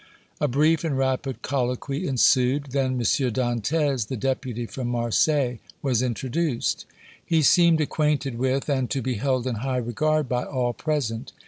A brief and rapid colloquy ensued; then M. Dantès, the Deputy from Marseilles, was introduced. He seemed acquainted with, and to be held in high regard by all present.